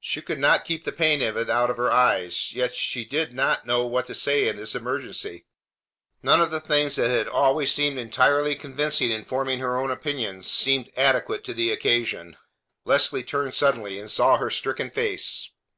She could not keep the pain of it out of her eyes; yet she did not know what to say in this emergency. None of the things that had always seemed entirely convincing in forming her own opinions seemed adequate to the occasion. Leslie turned suddenly, and saw her stricken face.